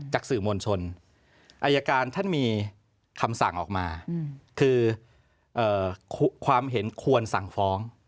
จากสื่อมวลชนอายการท่านมีคำสั่งออกมาคือความเห็นควรสั่งฟ้อง